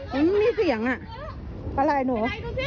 มันไม่มีเสียงอ่ะอะไรหนู